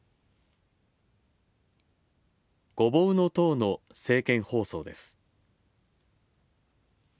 ごぼうの党の政見放送です。